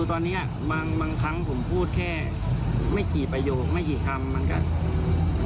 ทีนี้บางครั้งผมพูดแค่ไม่กี่ประโยคไม่กี่คำมีการต่อขึ้น